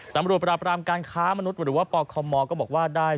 ตำรวจปราบรามการค้ามนุษย์หรือว่าปคมก็บอกว่าได้